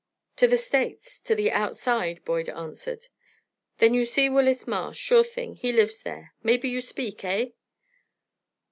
"To the States; to the 'outside,'" Boyd answered. "Then you see Willis Marsh, sure thing. He lives there. Maybe you speak, eh?"